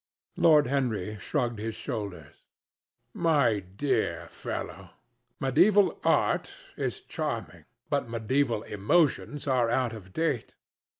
Lord Henry shrugged his shoulders. "My dear fellow, mediæval art is charming, but mediæval emotions are out of date.